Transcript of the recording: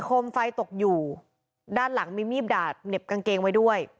คมไฟตกอยู่ด้านหลังมีมีดดาบเหน็บกางเกงไว้ด้วย